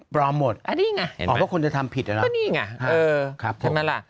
ปลอมหมดอ๋อเพราะคนจะทำผิดหรือเปล่าอ๋อนี่ไงใช่ไหมล่ะ